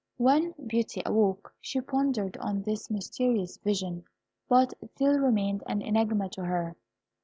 When Beauty awoke she pondered on this mysterious vision, but it still remained an enigma to her.